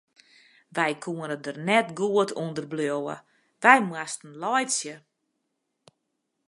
Wy koene der net goed ûnder bliuwe, wy moasten laitsje.